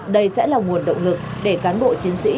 đây sẽ là nguồn động lực để cán bộ chiến sĩ